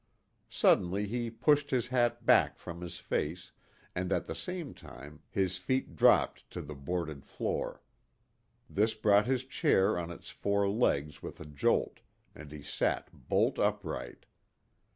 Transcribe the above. Suddenly he pushed his hat back from his face, and, at the same time, his feet dropped to the boarded floor. This brought his chair on its four legs with a jolt, and he sat bolt upright.